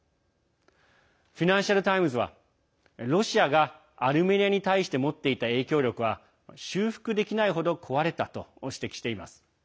フィナンシャル・タイムズはロシアがアルメニアに対して持っていた影響力は修復できない程、壊れたと指摘しています。